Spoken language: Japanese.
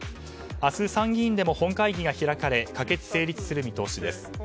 明日、参議院でも本会議が開かれ可決・成立する見通しです。